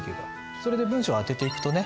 それで文章をあてていくとね